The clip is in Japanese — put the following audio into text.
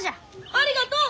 ありがとう！